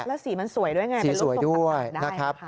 แล้วสีมันสวยด้วยไงมันสวยด้วยนะครับ